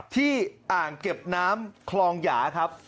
อ่างเก็บน้ำคลองหยาครับ